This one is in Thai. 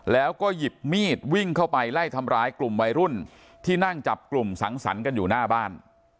แล้วก็หยิบมีดวิ่งเข้าไปไล่ทำร้ายกลุ่มวัยรุ่นที่นั่งจับกลุ่มสังสรรค์กันอยู่หน้าบ้าน